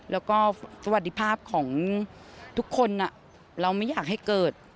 แล้วก็สวัสดีภาพของทุกคนเราไม่อยากให้เกิด